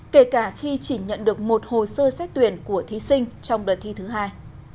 kể cả khi chỉ nhận được một hồ sơ xét tuyển của thí sinh trong đợt thi thứ hai